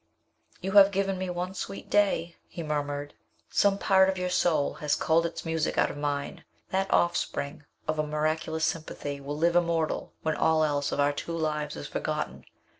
"You have given me one sweet day," he murmured. "Some part of your soul has called its music out of mine. That offspring of a miraculous sympathy will live immortal when all else of our two lives is forgotten.